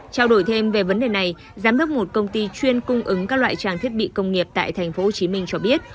trao đổi thêm về vấn đề này giám đốc một công ty chuyên cung ứng các loại trang thiết bị công nghiệp tại tp hcm cho biết